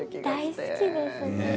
大好きです。